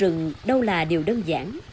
rừng đâu là điều đơn giản